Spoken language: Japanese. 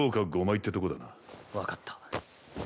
分かった。